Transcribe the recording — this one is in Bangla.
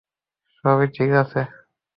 সবই ঠিক আছে।